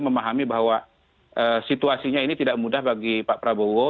memahami bahwa situasinya ini tidak mudah bagi pak prabowo